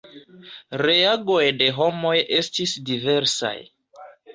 Reagoj de homoj estis diversaj.